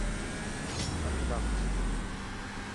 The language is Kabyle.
Tfakkeḍ-aɣ-tt.